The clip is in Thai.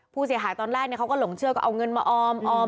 ผู้เสียหายตอนแรกเนี่ยเขาก็หลงเชื่อก็เอาเงินมาออมออม